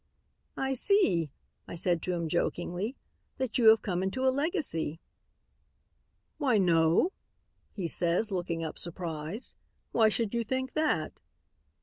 'I see,' I said to him jokingly, 'that you have come into a legacy.' "'Why, no,' he says looking up surprised. 'Why should you think that?'